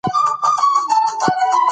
قرعه کشي د سفر لپاره ضروري ده.